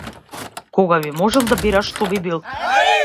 Кога би можел да бираш, што би бил?